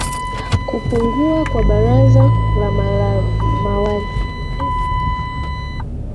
kupungua kwa baraza la mawazi